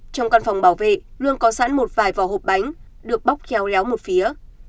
trong căn phòng bảo vệ luôn có sẵn một vài vò hộp bánh được bóc kéo léo một phía